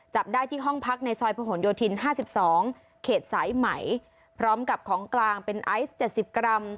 จับได้ที่ห้องพักในซอยประหลโยธิน๕๒เขตสายไหมพร้อมกับของกลางเป็นไอซ์๗๐กรัม